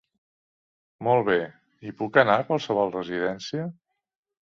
Molt bé, i puc anar a qualsevol residència?